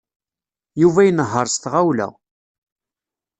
Yuba inehheṛ s tɣawla.